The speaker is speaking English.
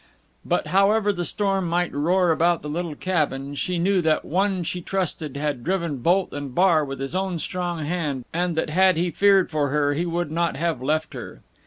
But however the storm might roar about the little cabin, she knew that one she trusted had driven bolt and bar with his own strong hand, and that had he feared for her he would not have left her.